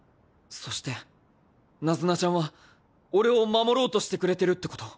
そしてナズナちゃんは俺を守ろうとしてくれてるってこと。